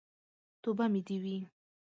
توبه مې دې وي.